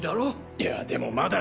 いやでもまだ。